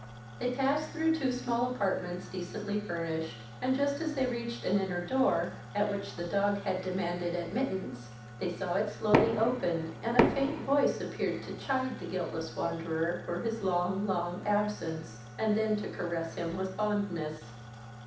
They passed through two small apartments decently furnished, and, just as they reached an inner door, at which the dog had demanded admittance, they saw it slowly open, and a faint voice appeared to chide the guiltless wanderer for his long, long absence, and then to caress him with fondness.